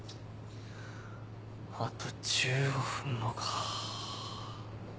あと１５分もか。